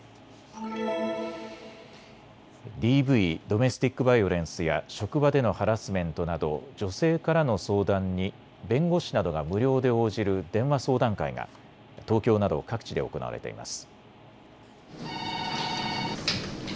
ＤＶ・ドメスティック・バイオレンスや職場でのハラスメントなど女性からの相談に弁護士などが無料で応じる電話相談会が東京など各地で行われています。